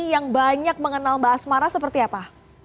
yang banyak mengenal mbak asmara seperti apa